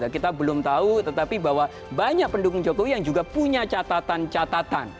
kita belum tahu tetapi bahwa banyak pendukung jokowi yang juga punya catatan catatan